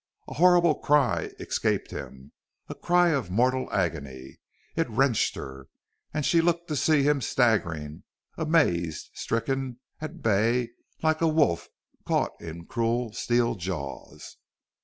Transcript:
A horrible cry escaped him a cry of mortal agony. It wrenched her. And she looked to see him staggering amazed, stricken, at bay, like a wolf caught in cruel steel jaws.